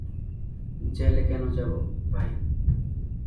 জেলে কেন যাব, ভাই?